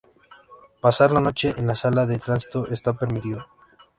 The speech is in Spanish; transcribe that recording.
Pasar la noche en la sala de tránsito está permitido.